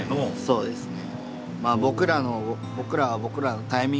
そうですね。